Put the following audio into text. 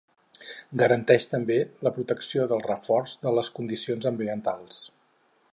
Garanteix també la protecció del reforç de les condicions ambientals.